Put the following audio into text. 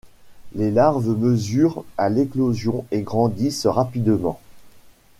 Les larves mesurent à l'éclosion et grandissent rapidement.